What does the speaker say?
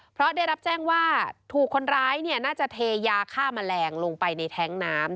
เพราะได้รับแจ้งว่าถูกคนร้ายน่าจะเทยาฆ่าแมลงลงไปในแท้งน้ำ